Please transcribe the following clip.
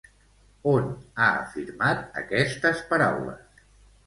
On ha afirmat aquestes paraules?